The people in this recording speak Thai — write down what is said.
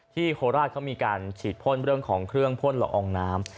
โคราชเขามีการฉีดพ่นเรื่องของเครื่องพ่นละอองน้ำ